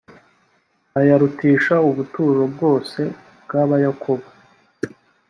ayarutisha ubuturo bwose bw’ abayakobo .